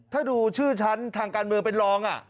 ถ้าดูชื่อฉันทางการเมืองเป็นรอง